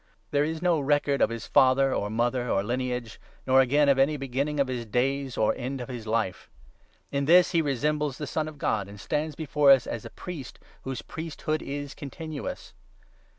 There is 3 no record of his father, or mother, or lineage, nor again of any beginning of his days, or end of his life. In this he resembles the Son of God, and stands before us as a priest whose priesthood is continuous.